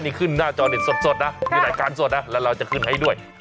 นี่ขึ้นหน้าจอเด็ดสดนะมีรายการสดนะแล้วเราจะขึ้นให้ด้วย